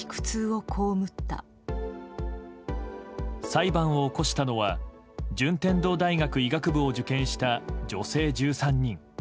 裁判を起こしたのは順天堂大学医学部を受験した女性１３人。